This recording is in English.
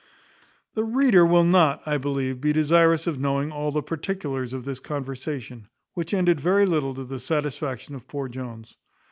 The reader will not, I believe, be desirous of knowing all the particulars of this conversation, which ended very little to the satisfaction of poor Jones.